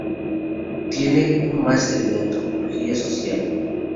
Tiene un Master en antropología social.